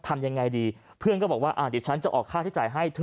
ทำยังไงดีเพื่องก็บอกว่าอ่ะเดี๋ยวฉันจะออกฆาตที่จ่ายให้